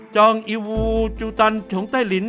จองอีวูจูตันชงใต้ลิ้น